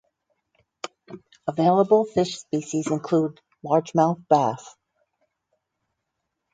Available fish species include Largemouth bass.